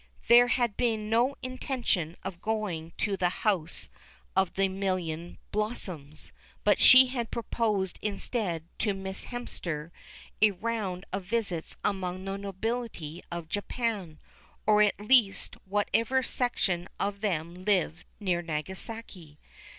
There had been no intention of going to the House of the Million Blossoms, but she had proposed instead to Miss Hemster a round of visits among the nobility of Japan, or at least whatever section of them lived near Nagasaki.